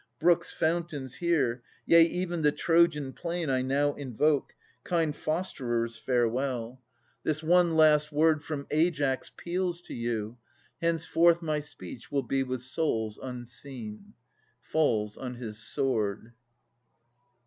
Brooks, fountains here — yea, even the Trojan plain 1 now invoke !— kind fosterers, farewell ! 864 895] Ams 83 This one last word from Aias peals to you : Henceforth my speech will be with souls unseen. [Falls on his sword.